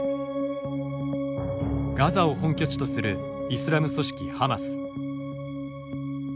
ガザを本拠地とするイスラム組織ハマス。